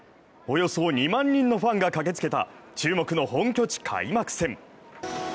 およそ２万人のファンが駆けつけた注目の本拠地開幕戦。